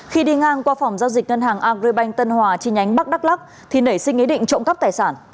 khi đi ngang qua phòng giao dịch ngân hàng agribank tân hòa chi nhánh bắc đắk lắc thì nảy sinh ý định trộm cắp tài sản